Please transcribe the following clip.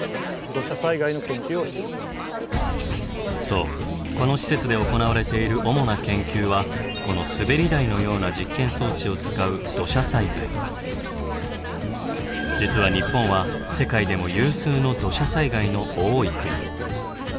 そうこの施設で行われている主な研究はこの滑り台のような実験装置を使う実は日本は世界でも有数の土砂災害の多い国。